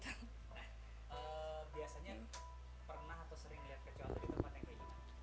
biasanya pernah atau sering lihat kecoak di tempat yang keingin